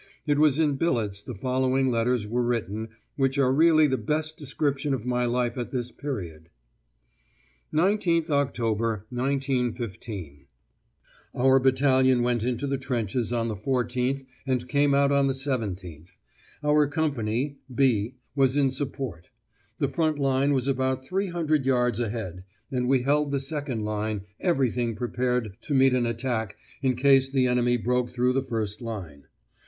It was in billets the following letters were written, which are really the best description of my life at this period. "19th October, 1915. Our battalion went into the trenches on the 14th and came out on the 17th. Our company, 'B,' was in support. The front line was about 300 yards ahead, and we held the second line, everything prepared to meet an attack in case the enemy broke through the first line.